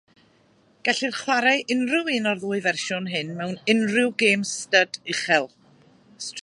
Gellir chwarae unrhyw un o'r ddwy fersiwn hyn mewn unrhyw gêm styd uchel.